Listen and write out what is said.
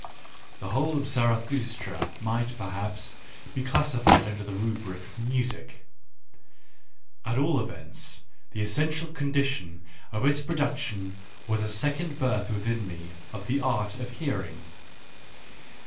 The whole of Zarathustra might perhaps be classified under the rubric jn,usic. At all eventSjj!i£_essential condition oF its produc tion was asecond birth within" me of the art of hearing.